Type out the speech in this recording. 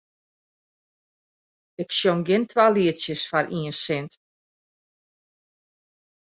Ik sjong gjin twa lietsjes foar ien sint.